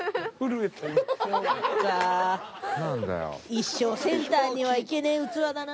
一生センターにはいけねえ器だな。